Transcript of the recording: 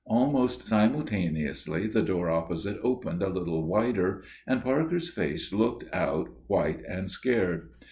Almost simultaneously the door opposite opened a little wider, and Parker's face looked out, white and scared.